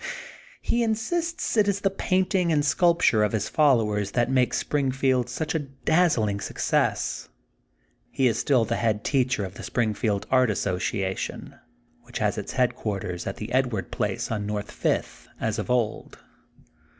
He insists it is the painting and sculpture of his followers that make Spring field such a dazzling success. He is still the head teacher of the Springfield Art Associa tion which has its headquarters at the Edwards Place on North Fifth, as of old.